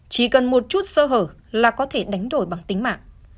chỉ cần một chút sơ hở là có thể đánh đổi bằng tính mạng